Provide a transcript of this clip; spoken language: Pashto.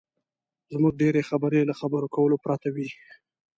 زموږ ډېرې خبرې له خبرو کولو پرته وي.